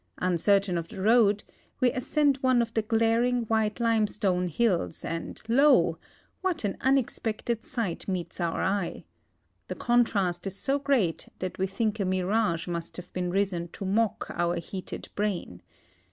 Uncertain of the road, we ascend one of the glaring, white limestone hills, and lo ! what an unexpected sight meets our eye. The contrast is so great that we think a mirage must liave risen to mock, our heated brain.